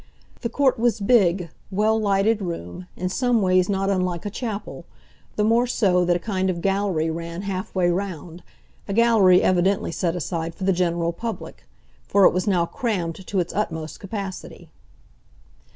The court was big, well lighted room, in some ways not unlike a chapel, the more so that a kind of gallery ran half way round, a gallery evidently set aside for the general public, for it was now crammed to its utmost capacity.